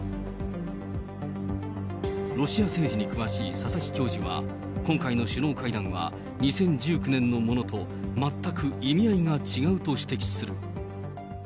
ロシア政治に詳しい佐々木教授は、今回の首脳会談は２０１９年のものと全く意味合いが違うと指摘する。